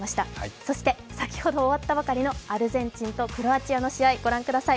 そして先ほど終わったばかりのアルゼンチンとクロアチアの試合御覧ください。